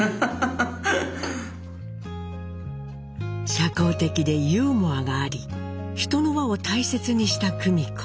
社交的でユーモアがあり人の輪を大切にした久美子。